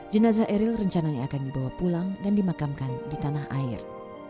jenazah eril rencananya akan dibawa pulang dan dimakamkan di tanah air